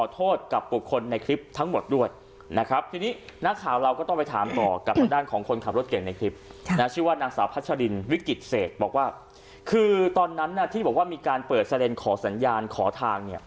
ตอนนั้นที่บอกว่ามีการเปิดเซรนขอสัญญาณขอทาง